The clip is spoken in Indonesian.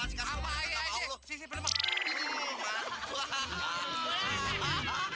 sampai jumpa di video selanjutnya